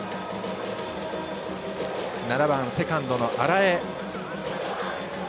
７番セカンドの荒江。